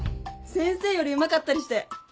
先生よりうまかったりして。